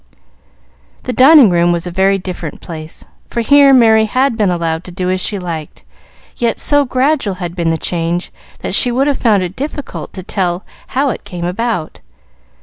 The dining room was a very different place, for here Merry had been allowed to do as she liked, yet so gradual had been the change, that she would have found it difficult to tell how it came about.